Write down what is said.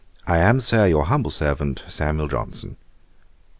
'I am, Sir, 'Your humble servant, 'SAM. JOHNSON.'